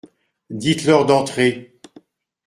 Dites-leur d’entrer.